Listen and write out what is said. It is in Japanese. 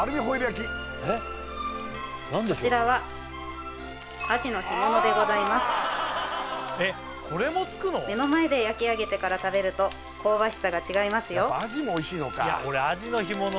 こちらは目の前で焼き上げてから食べると香ばしさが違いますよ